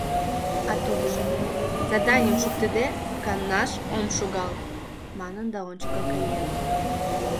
А тудыжо: «Заданийым шуктыде, канаш ом шогал» манын да ончыко каен.